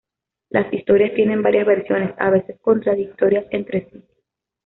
Las historias tienen varias versiones, a veces contradictorias entre sí.